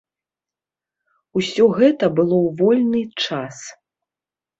Усё гэта было ў вольны час.